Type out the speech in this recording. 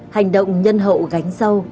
hành động nhân hậu gánh râu